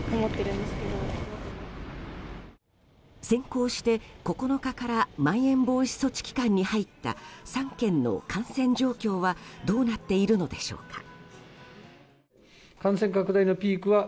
先行して９日からまん延防止措置期間に入った３県の感染状況はどうなっているのでしょうか。